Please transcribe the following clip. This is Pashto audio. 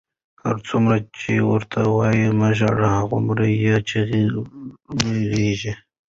هرڅومره چې ورته وایم مه ژاړه، هغومره یې چیغې لوړېږي.